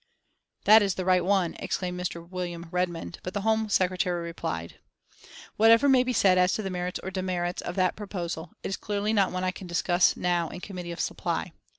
"That is the right one," exclaimed Mr. William Redmond, but the Home Secretary replied: "Whatever may be said as to the merits or demerits of that proposal, it is clearly not one I can discuss now in Committee of Supply.